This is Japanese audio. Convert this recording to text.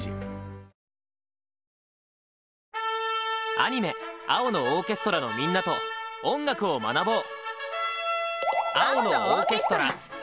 アニメ「青のオーケストラ」のみんなと音楽を学ぼう！